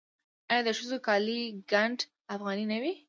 آیا د ښځو کالي ګنډ افغاني نه وي؟